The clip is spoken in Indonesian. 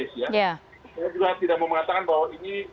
saya juga tidak mau mengatakan bahwa ini